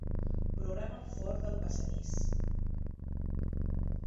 Programa el forn del passadís.